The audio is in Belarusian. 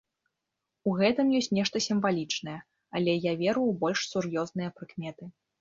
У гэтым ёсць нешта сімвалічнае, але я веру ў больш сур'ёзныя прыкметы.